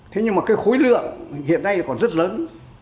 thế nhưng mà cái khối lượng hiện nay còn rất lớn